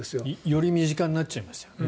より身近になっちゃいましたよね。